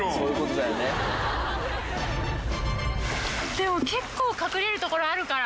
でも結構隠れる所あるから。